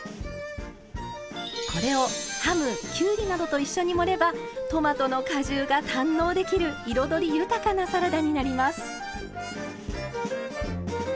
これをハムキュウリなどと一緒に盛ればトマトの果汁が堪能できる彩り豊かなサラダになります。